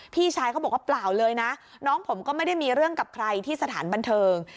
พี่ชายเขาบอกว่าเปล่าเลยนะน้องผมก็ไม่ได้มีเรื่องกับใครที่สถานบันเทิง